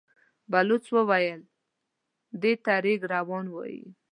بلوڅ وويل: دې ته رېګ روان وايي.